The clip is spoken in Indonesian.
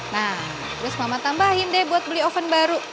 nah terus mama tambahin deh buat beli oven baru